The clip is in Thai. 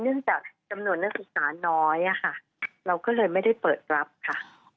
เนื่องจากจำนวนนักศึกษาน้อยเราก็เลยไม่ได้เปิดรับค่ะ